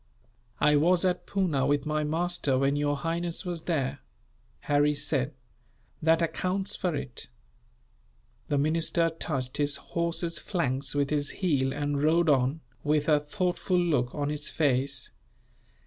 "I was at Poona, with my master, when your highness was there," Harry said. "That accounts for it." The minister touched his horse's flanks with his heel and rode on, with a thoughtful look on his face.